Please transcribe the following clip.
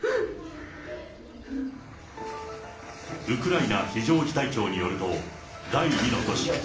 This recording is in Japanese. ウクライナ非常事態庁によると、第２の都市